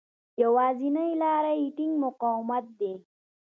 نو يوازېنۍ لاره يې ټينګ مقاومت دی.